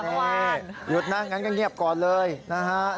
เมื่อวานนี่ถ้ายืดนั่งั้นก็เงียบก่อนเลยนะครับ